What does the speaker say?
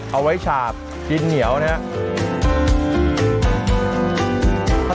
เอาไว้ฉาบกินเหนียวนะครับ